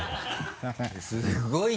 すごいな。